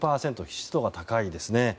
湿度が高いですね。